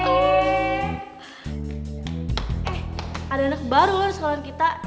eh ada anak baru lho di sekolah kita